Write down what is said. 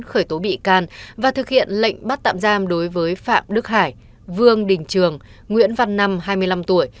khởi tố bị can và thực hiện lệnh bắt tạm giam đối với phạm đức hải vương đình trường nguyễn văn năm hai mươi năm tuổi